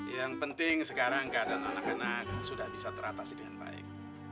yang penting sekarang keadaan anak anak sudah bisa teratasi dengan baik